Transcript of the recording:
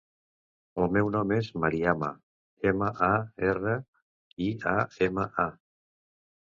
El meu nom és Mariama: ema, a, erra, i, a, ema, a.